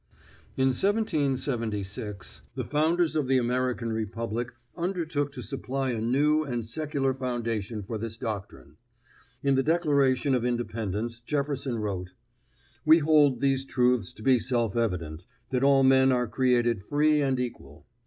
In 1776, the founders of the American Republic undertook to supply a new and a secular foundation for this doctrine. In the Declaration of Independence, Jefferson wrote: "We hold these truths to be self evident, that all men are created free and equal."